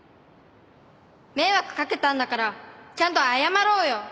迷惑かけたんだからちゃんと謝ろうよ。